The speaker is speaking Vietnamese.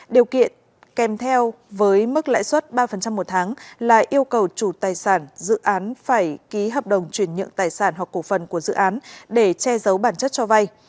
điều kiện kèm theo với mức lãi suất ba một tháng là yêu cầu chủ tài sản dự án phải ký hợp đồng truyền nhượng tài sản hoặc cổ phần của dự án để che giấu bản chất cho vay